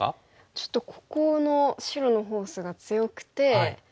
ちょっとここの白のフォースが強くてこの黒